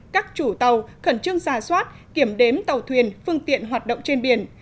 các chủ tàu khẩn trương ra soát kiểm đếm tàu thuyền phương tiện hoạt động trên biển